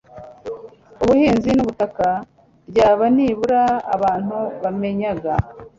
ubuhinzi nubutaka Iyaba nibura abantu bamenyaga